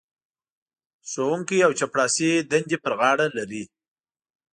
ښوونکی او چپړاسي دندې پر غاړه لري.